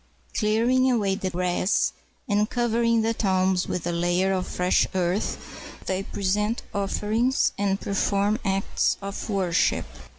Clearing away the grass, and covering the tombs with a layer of fresh earth, they present offerings and perform acts of worship.